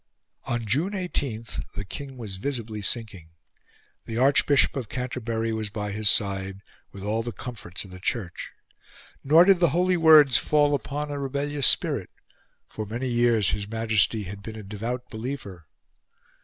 On June 18, the King was visibly sinking. The Archbishop of Canterbury was by his side, with all the comforts of the church. Nor did the holy words fall upon a rebellious spirit; for many years his Majesty had been a devout believer.